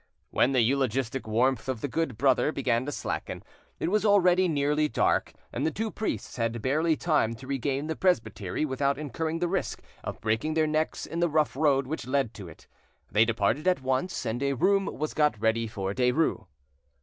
When the eulogistic warmth of the good brother began to slacken it was already nearly dark, and the two priests had barely time to regain the presbytery without incurring the risk of breaking their necks in the rough road which led to it. They departed at once, and a room was got ready for Derues.